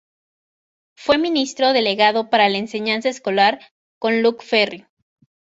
Fue ministro delegado para la enseñanza escolar con Luc Ferry.